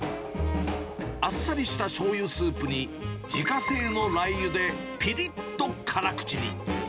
あっさりしたしょうゆスープに、自家製のラー油でぴりっと辛口に。